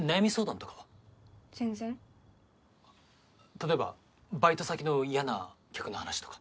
例えばバイト先の嫌な客の話とか。